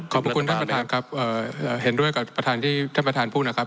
ขอบคุณท่านประธานครับเห็นด้วยกับประธานที่ท่านประธานพูดนะครับ